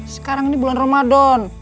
sekarang ini bulan ramadan